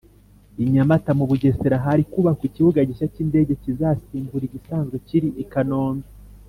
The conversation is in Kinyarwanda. I nyamata mu bugesera hari kubakwa ikibuga gishya k’indege kizasimbura igisanzwe kiri I kanombe.